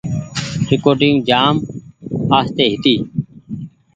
ريڪوڊنگ جآم آستي هيتي۔